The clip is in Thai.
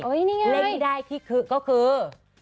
เลขได้ที่คือ๗๙๔